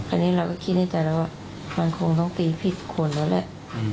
อันนี้เราก็คิดในใจแล้วว่ามันคงต้องตีผิดคนแล้วแหละ